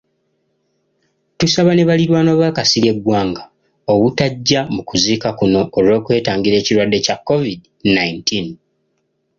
Tusaba ne balirwana ba Kasirye Gwanga obutajja mu kuziika kuno olw'okwetangira ekirwadde kya COVID nineteen.